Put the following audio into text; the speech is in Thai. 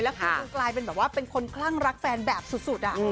คือมันกลายเป็นแบบว่าเป็นคนคลั่งรักแฟนแบบสุด